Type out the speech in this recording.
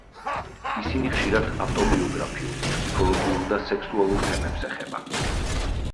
ისინი ხშირად ავტობიოგრაფიულ, ფსიქოლოგიურ და სექსუალურ თემებს ეხება.